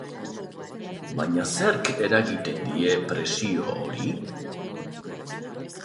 Baina zerk eragiten die presio hori?